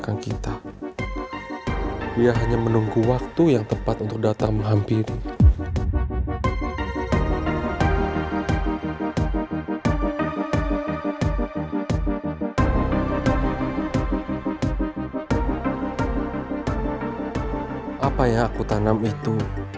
gak ada niat saya sepikitpun untuk melukai perasaanmu